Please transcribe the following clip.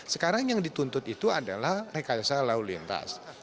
sekarang yang dituntut itu adalah rekayasa lalu lintas